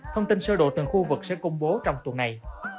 thông tin sơ độ từng khu vực sẽ công bố trong tuần này